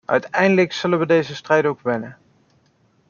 Uiteindelijk zullen we deze strijd ook winnen!